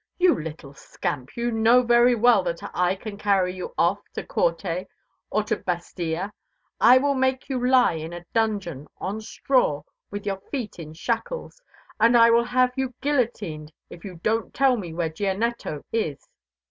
"You little scamp, you know very well that I can carry you off to Corte or to Bastia. I will make you lie in a dungeon, on straw, with your feet in shackles, and I will have you guillotined if you don't tell me where Gianetto is."